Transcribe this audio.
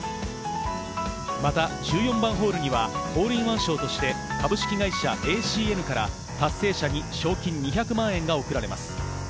また１４番ホールにはホールインワン賞として株式会社ＡＣＮから達成者に賞金２００万円が贈られます。